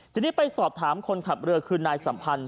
ทีนี้ไปสอบถามคนขับเรือคือนายสัมพันธ์